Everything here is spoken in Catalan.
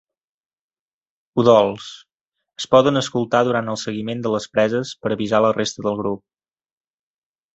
Udols: es poden escoltar durant el seguiment de les preses per avisar la resta del grup.